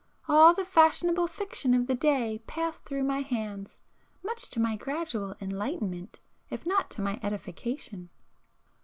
All the fashionable fiction of the day passed through my hands, much to my gradual enlightenment, if not to my edification.